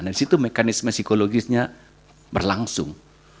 dan disitu mekanisme psikologisnya berlangsung